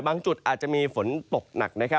จุดอาจจะมีฝนตกหนัก